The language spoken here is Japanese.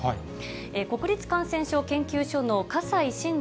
国立感染症研究所の葛西真治